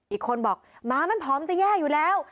อีกคนบอกหมามันผอมจะแย่อยู่แล้ว